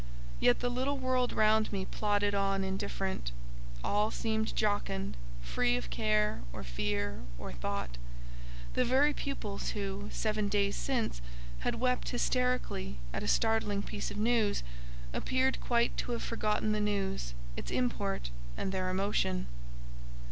Yet the little world round me plodded on indifferent; all seemed jocund, free of care, or fear, or thought: the very pupils who, seven days since, had wept hysterically at a startling piece of news, appeared quite to have forgotten the news, its import, and their emotion.